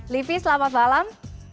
livi selamat malam